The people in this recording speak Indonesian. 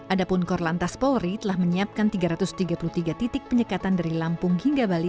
adapun korlantas polri telah menyiapkan tiga ratus tiga puluh tiga titik penyekatan dari lampung hingga bali